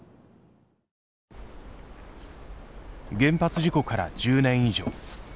原発事故から１０年以上。